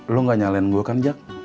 lo gak nyalain gue kan jack